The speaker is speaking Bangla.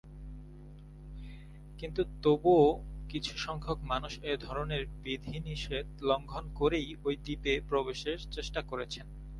কিন্তু তবুও কিছু সংখ্যক মানুষ এধরনের বিধিনিষেধ লঙ্ঘন করেই ওই দ্বীপে প্রবেশের চেষ্টা করেছেন।